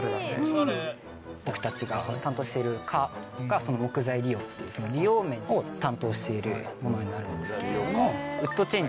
僕たちが担当している課が木材利用っていう利用面を担当しているものになるんですけれども。